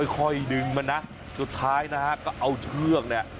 ค่อยดึงมันนะสุดท้ายนะฮะก็เอาเชือกเนี่ย